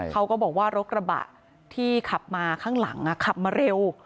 เขาก็บอกว่ารถกระบะที่ขับมาข้างหลังขับมาเร็ว